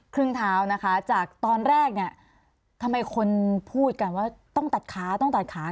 ครึ่งเท้านะคะจากตอนแรกเนี่ยทำไมคนพูดกันว่าต้องตัดขาต้องตัดขา